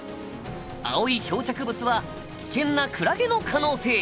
青い漂着物は危険なクラゲの可能性。